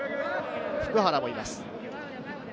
普久原もいます。